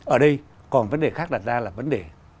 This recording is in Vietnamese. ở đây còn vấn đề khác đặt ra là vấn đề